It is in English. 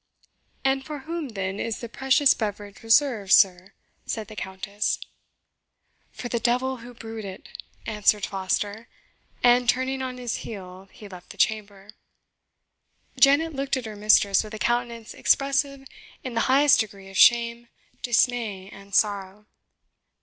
"And for whom, then, is the precious beverage reserved, sir?" said the Countess. "For the devil, who brewed it!" answered Foster; and, turning on his heel, he left the chamber. Janet looked at her mistress with a countenance expressive in the highest degree of shame, dismay, and sorrow.